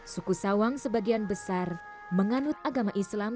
suku sawang sebagian besar menganut agama islam